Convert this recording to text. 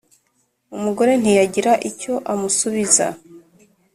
umugore ntiyagira icyo amusubiza